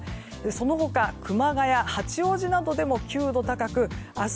その他、熊谷、八王子などでも９度高く明日